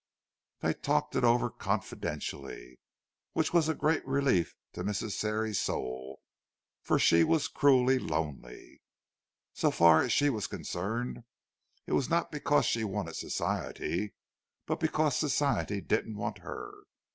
They talked it over confidentially—which was a great relief to Mrs. Sarey's soul, for she was cruelly lonely. So far as she was concerned, it was not because she wanted Society, but because Society didn't want her.